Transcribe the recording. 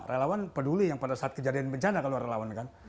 relawan peduli yang pada saat kejadian bencana kalau relawan kan